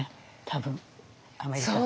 多分アメリカと。